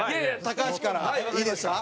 高橋からいいですか？